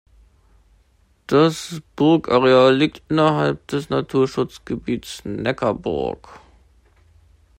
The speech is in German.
Das Burgareal liegt innerhalb des Naturschutzgebiets Neckarburg.